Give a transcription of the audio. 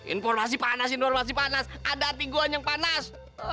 informasi panas ini informasi panas ada hati gua yang panas